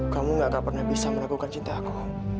kamu tidak akan pernah bisa meragukan cinta aku